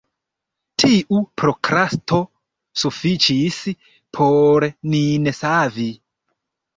Tiu prokrasto sufiĉis por nin savi.